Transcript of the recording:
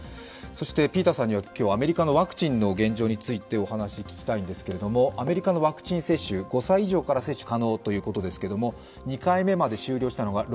ピーターさんには今日はアメリカのワクチンの現状についてお話を聞きたいんですけれども、アメリカのワクチン接種、５歳以上から接種可能ということです。